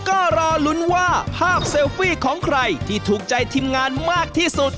ก็รอลุ้นว่าภาพเซลฟี่ของใครที่ถูกใจทีมงานมากที่สุด